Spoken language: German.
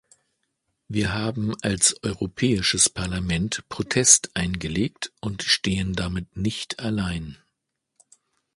Wir haben als Europäisches Parlament Protest eingelegt und stehen damit nicht allein.